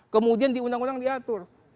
kemudian di undang undang diatur